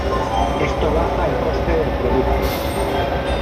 Esto baja el coste del producto.